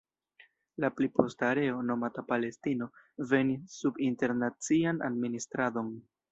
La pli posta areo, nomata Palestino venis sub internacian administradon.